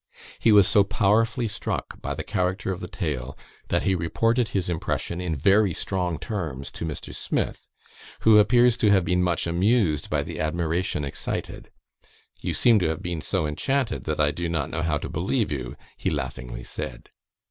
He was so powerfully struck by the character of the tale, that he reported his impression in very strong terms to Mr. Smith, who appears to have been much amused by the admiration excited. "You seem to have been so enchanted, that I do not know how to believe you," he laughingly said.